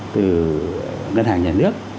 từ ngân hàng nhà nước